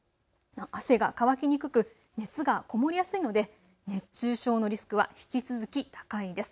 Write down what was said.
汗が乾きにくく熱がこもりやすいので熱中症のリスクは引き続き高いです。